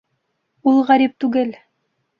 Ул ғәрип түгел!